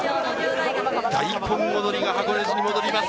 大根踊りが箱根路に戻ります。